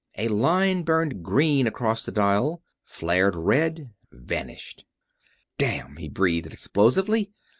A line burned green across the dial flared red vanished. "Damn!" he breathed, explosively.